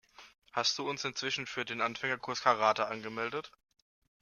Hast du uns inzwischen für den Anfängerkurs Karate angemeldet?